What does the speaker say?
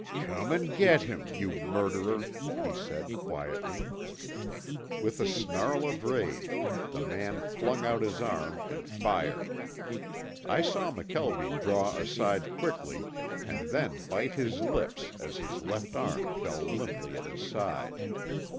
"Come and get him, you murderer," he said, quietly. With a snarl of rage the man flung out his arm and fired. I saw McKelvie draw aside quickly and then bite his lips as his left arm fell limply at his side.